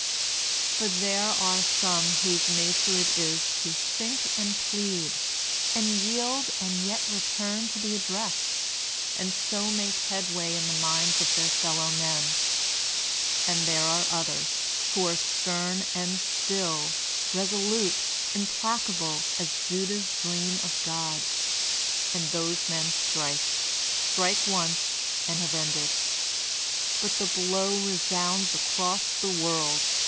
For there are some whose nature it is to think and plead, and jrield and yet return to the address, and so make headway in the minds of their fellowmen; and there are others who are stem and stiD, resolute, im placable as Judah*s dream of God ;— and those men strike — strike once and have ended. But the blow resounds across the world.